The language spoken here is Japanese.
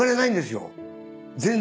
全然。